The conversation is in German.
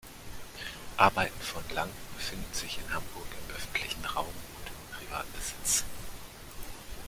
Arbeiten von Lang befinden sich in Hamburg im öffentlichen Raum und in Privatbesitz.